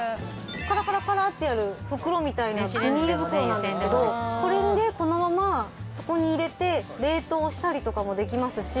カラカラカラってやる袋みたいなビニール袋なんですけどこれにねこのままそこに入れて冷凍したりとかもできますし